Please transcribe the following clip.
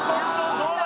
どうだ？